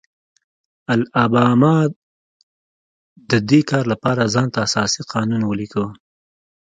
الاباما د دې کار لپاره ځان ته اساسي قانون ولیکه.